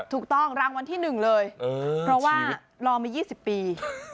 ถูกต้องรางวัลที่๑เลยเพราะว่ารอมา๒๐ปี